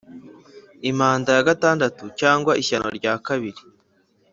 Impanda ya gatandatu cyangwa ishyano rya kabiri